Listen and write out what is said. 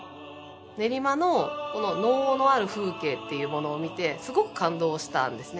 練馬の農のある風景というものを見てすごく感動したんですね。